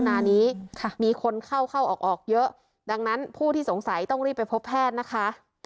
นานี้มีคนเข้าเข้าออกเยอะดังนั้นผู้ที่สงสัยต้องรีบไปพบแพทย์นะคะ